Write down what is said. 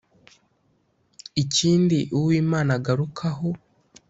Ikindi Uwimana agarukaho